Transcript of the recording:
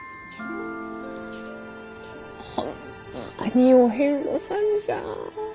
ホンマにお遍路さんじゃ。